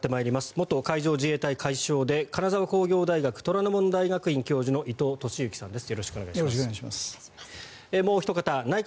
元海上自衛隊海将で金沢工業大学虎ノ門大学院教授の伊藤俊幸さんです。